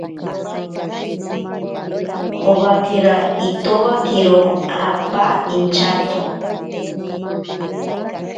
Owakera itowakero apa inchato.